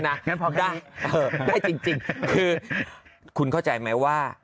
งั้นพร้อมได้ได้จริงคือคุณเข้าใจไหมว่า